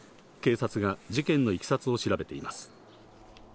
警察が事件の経緯を調べています。